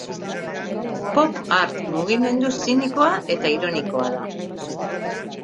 Pop art mugimendu zinikoa eta ironikoa da.